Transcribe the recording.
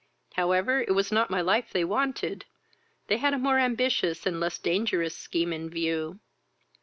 However, it was not my life they wanted; they had a more ambitious and less dangerous scheme in view.